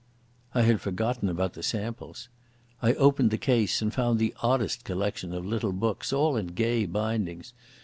I had forgotten about the samples. I opened the case and found the oddest collection of little books, all in gay bindings.